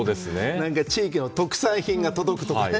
地域の特産品が届くとかね。